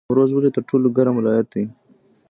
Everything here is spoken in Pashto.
نیمروز ولې تر ټولو ګرم ولایت دی؟